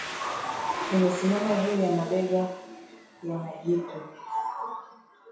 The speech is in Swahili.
tumesimama juu ya mabega ya majitu